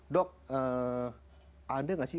dok ada gak sih